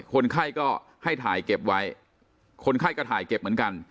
คนไข้ก็ให้ถ่ายเก็บไว้คนไข้ก็ถ่ายเก็บเหมือนกัน